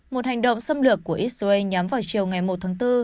một hành động xâm lược của israel nhắm vào chiều ngày một tháng bốn